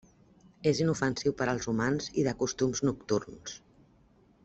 És inofensiu per als humans i de costums nocturns.